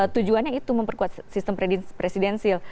tujuannya itu memperkuat sistem presidensil